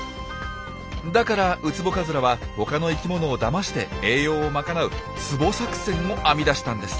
だからウツボカズラは他の生きものをだまして栄養をまかなうツボ作戦を編み出したんです。